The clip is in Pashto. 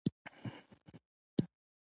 جمهوري ارزښتونه او بین المللي قوانین څه شول.